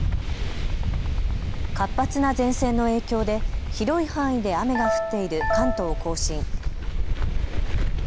活発な前線の影響で広い範囲で雨が降っている関東甲信。